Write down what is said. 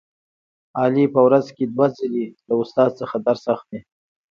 علي په ورځ کې دوه ځلې له استاد څخه درس اخلي.